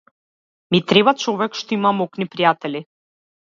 Ми треба човек што има моќни пријатели.